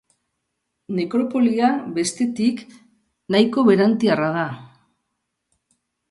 Nekropolia, bestetik, nahiko berantiarra da.